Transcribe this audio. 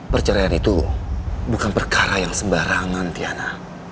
perceraian itu bukan perkara yang sebarangan tiana